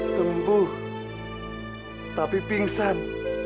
sembuh tapi pingsan